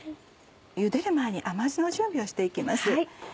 ゆでる前に甘酢の準備をして行きます。